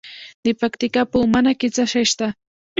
د پکتیکا په اومنه کې څه شی شته؟